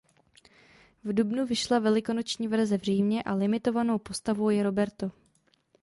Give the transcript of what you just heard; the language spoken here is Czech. V dubnu vyšla velikonoční verze v Římě a limitovanou postavou je Roberto.